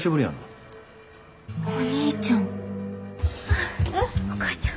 ああお母ちゃん。